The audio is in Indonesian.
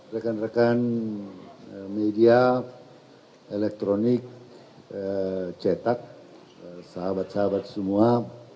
rekan rekan media elektronik cetak sahabat sahabat semua